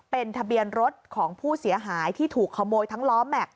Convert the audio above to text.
เป็นทะเบียนรถของผู้เสียหายที่ถูกขโมยทั้งล้อแม็กซ